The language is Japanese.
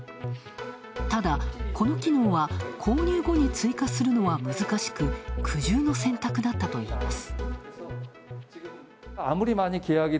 ただ、この機能は、購入後に追加するのは難しく、苦渋の選択だったといいます。